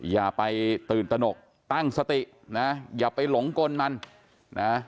อย่าไปตื่นตนกตั้งสตินะอย่าไปหลงกลมันนะ